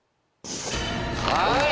はい！